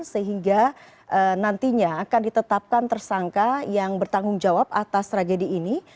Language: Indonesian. sehingga nantinya akan ditetapkan tersangka yang bertanggung jawab atas tragedi ini